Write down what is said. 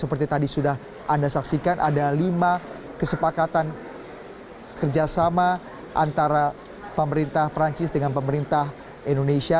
seperti tadi sudah anda saksikan ada lima kesepakatan kerjasama antara pemerintah perancis dengan pemerintah indonesia